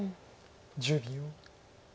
１０秒。